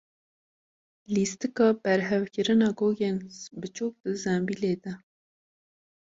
Lîstika berhevkirina gogên biçûk di zembîlê de.